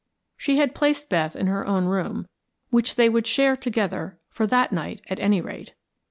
She had placed Beth in her own room, which they would share together for that night, at any rate.